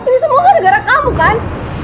ini semua gara gara kamu kan